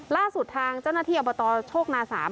ล่าสุดทางเจ้าหน้าที่อบตโชคนาสาม